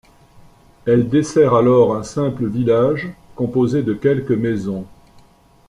Elle dessert alors un simple village composé de quelques maisons.